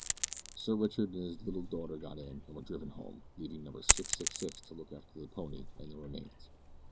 Sir Richard and his little daughter got in and were driven home, leaving Number 666 to look after the pony and the remains.